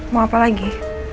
mau apa lagi